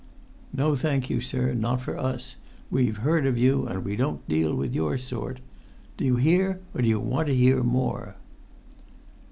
"No, thank you, sir—not for us! We've heard of you, and we don't deal with your sort. Do you hear, or do you want to hear more?"